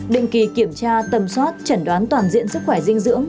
định kỳ kiểm tra tầm soát chẩn đoán toàn diện sức khỏe dinh dưỡng